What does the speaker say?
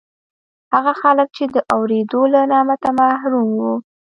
هغه خلک چې د اورېدو له نعمته محروم وو